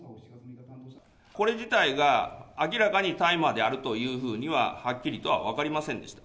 これ自体が明らかに大麻であるというふうには、はっきりとは分かりませんでした。